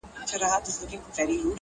ما ته سپي ؤ په ژوندینه وصیت کړی-